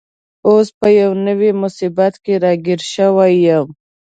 اوس په یوه نوي مصیبت کي راګیر شوی یم.